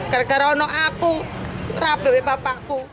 karena aku rabu bapakku